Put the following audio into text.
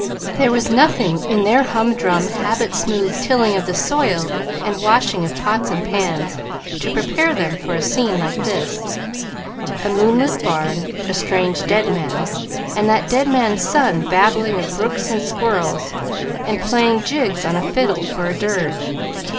There was nothing in their humdrum, habit smoothed tilling of the soil and washing of pots and pans to prepare them for a scene like this a moonlit barn, a strange dead man, and that dead man's son babbling of brooks and squirrels, and playing jigs on a fiddle for a dirge.